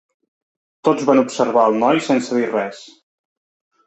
Tots van observar el noi sense dir res.